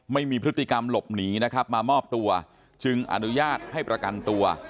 ไม่มีพฤติกรรมหลบหนีนะครับมามอบตัวจึงอนุญาตให้ประกันตัว